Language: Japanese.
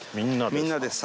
「みんなでさ」。